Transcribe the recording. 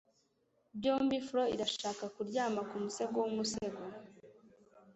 byombi. fro irashaka kuryama kumusego w umusego